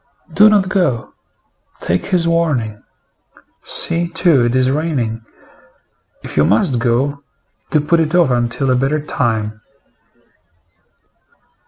Do not go. Take his warning. See, too, it is raining. If you must go, do put it off until a better time."